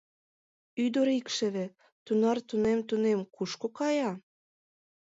Ӱдыр икшыве, тунар тунем-тунем, кушко кая?